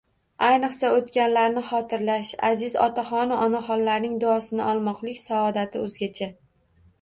Ayniqsa, o'tganlarni xotirlash, aziz otaxonu-onaxonlarning duosini olmoqlik saodati o'zgacha